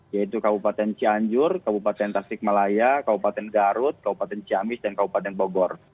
yaitu kabupaten cianjur kabupaten tasikmalaya kabupaten garut kabupaten ciamis dan kabupaten bogor